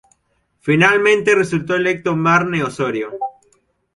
Finalmente resultó electo Marne Osorio.